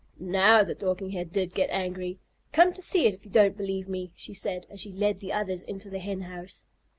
Now the Dorking Hen did get angry. "Come to see it, if you don't believe me," she said, as she led the others into the Hen house.